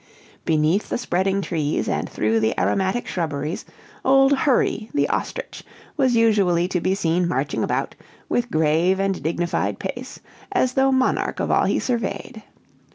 Beneath the spreading trees, and through the aromatic shrubberies, old Hurry, the ostrich, was usually to be seen marching about, with grave and dignified pace, as though monarch of all he surveyed.